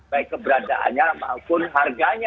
baik keberadaannya maupun harganya